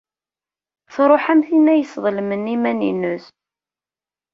Tṛuḥ am tin ay yesḍelmen iman-nnes.